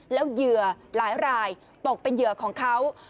แล้วเหยื่อหลายรายตกเป็นเหยื่อของเขา